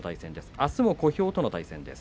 あすも小兵との対戦です。